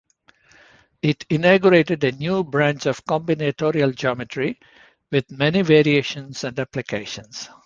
It inaugurated a new branch of combinatorial geometry, with many variations and applications.